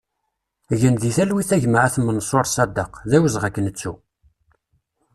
Gen di talwit a gma At Mansur Saddek, d awezɣi ad k-nettu!